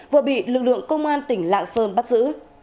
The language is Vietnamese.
vừa bị lực lượng công an tỉnh lạng sơn bắt giữ